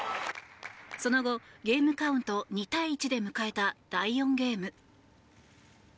その後ゲームカウント２対１で迎えた第４ゲーム。